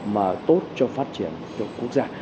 mà tốt cho phát triển của quốc gia